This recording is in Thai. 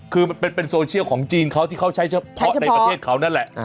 คือเป็นโซเชียลของจีนเขาที่เขาใช้เฉพาะในประเทศเขา